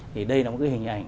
thì đây là một cái hình ảnh